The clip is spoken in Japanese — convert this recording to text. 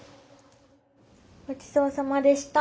ごちそうさまでした。